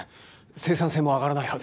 生産性も上がらないはず。